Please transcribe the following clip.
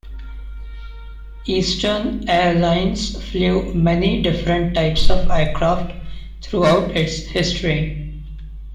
Eastern Air Lines flew many different types of aircraft throughout its history.